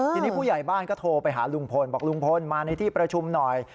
ทีนี้ผู้ใหญ่บ้านก็โทรไปหาลุงพลบอกลุงพลมาในที่ประชุมหน่อย